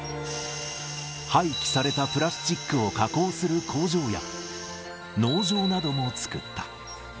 廃棄されたプラスチックを加工する工場や農場なども作った。